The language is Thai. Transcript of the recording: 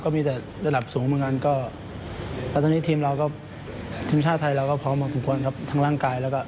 ก็มีแต่อันสุทธิ์สูงมากางนั้นก็